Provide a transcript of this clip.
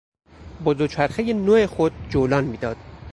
با دوچرخهی نو خود جولان میداد.